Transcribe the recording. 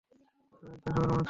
আমি একজন সাধারণ মানুষ, স্যার?